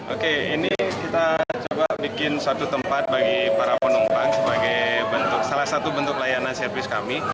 oke ini kita coba bikin satu tempat bagi para penumpang sebagai salah satu bentuk layanan servis kami